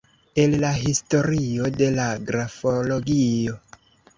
El la historio de la grafologio.